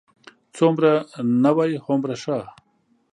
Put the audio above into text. څومره نوی، هومره ښه.